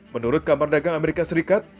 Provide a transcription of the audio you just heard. menurut kamar dagang amerika serikat